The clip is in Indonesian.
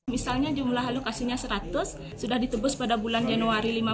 misalnya jumlah alokasinya seratus sudah ditebus pada bulan januari lima puluh